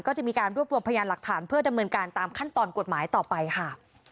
ก็จะมีการรวบรวมพยานหลักฐานเพื่อดำเนินการตามขั้นตอนกฎหมายต่อไปค่ะ